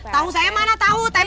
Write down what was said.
tahu saya mana tahu